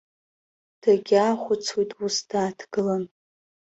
Дагьаахәыцуеит ус дааҭгылан.